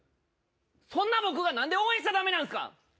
そんな僕がなんで応援しちゃだめなんですか。